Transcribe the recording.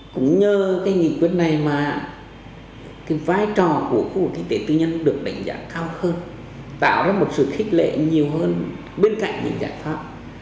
cũng nhờ cái nghị quyết này mà cái vai trò của khu vực kinh tế tư nhân được đánh giá cao hơn tạo ra một sự khích lệ nhiều hơn bên cạnh những giải pháp